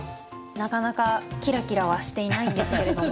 なかなかキラキラはしていないんですけれども。